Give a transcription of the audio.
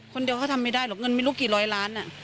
คนเดียวเขาทำไม่ได้หรอกเงินไม่รู้กี่ร้อยล้าน